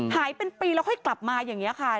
หายเป็นปีแล้วค่อยกลับมาอย่างนี้ค่ะ